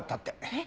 えっ？